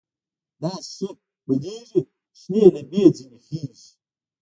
داسې ښه بلېږي چې شنې لمبې ځنې خېژي.